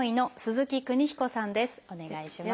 お願いします。